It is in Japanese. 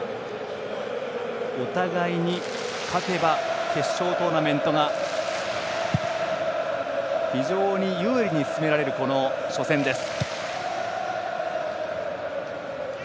お互いに勝てば決勝トーナメントが非常に有利に進められる初戦です。